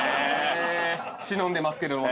忍んでますけどもね。